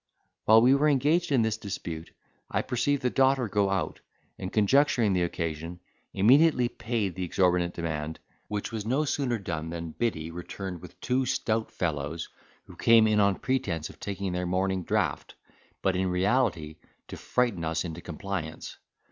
While we were engaged in this dispute, I perceived the daughter go out, and, conjecturing the occasion, immediately paid the exorbitant demand, which was no sooner done than Biddy returned with two stout fellows, who came in on pretence of taking their morning draught, but in reality to frighten us into compliance.